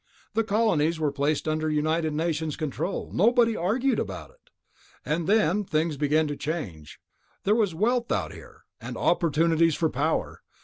The colonies were placed under United Nations control. Nobody argued about it. "And then things began to change. There was wealth out here ... and opportunities for power.